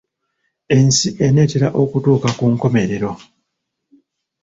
Ensi enaatera okutuuka ku nkomerero.